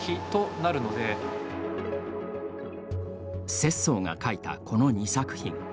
拙宗が描いた、この２作品。